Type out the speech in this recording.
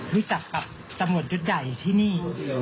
รู้จักกับตำรวจยศใหญ่ที่นี่